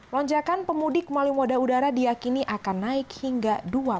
lonjakan pemudik melalui moda udara diakini akan naik hingga